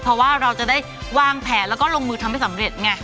เพราะว่าเราจะได้วางแผนแล้วก็ลงมือทำให้สำเร็จไง